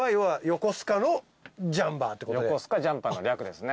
横須賀ジャンパーの略ですね。